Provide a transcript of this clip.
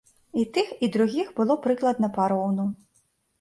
І тых, і другіх было прыкладна пароўну.